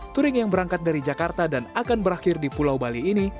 touring yang berangkat dari jakarta dan akan berakhir di pulau bali ini